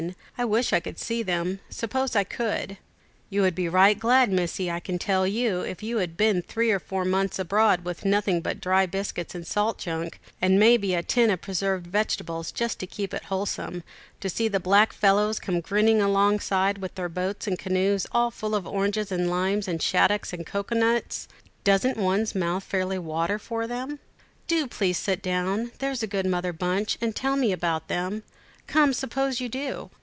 I wish I could see them. Suppose I could." "You would be right glad, Missie, I can tell you, if you had been three or four months aboard with nothing but dry biscuits and salt junk, and may be a tin of preserved vegetables just to keep it wholesome, to see the black fellows come grinning alongside with their boats and canoes all full of oranges and limes and shaddocks and cocoa nuts. Doesn't one's mouth fairly water for them?" "Do please sit down, there's a good Mother Bunch, and tell me all about them? Come, suppose you do."